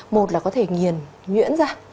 một là có thể nghiền nhuyễn ra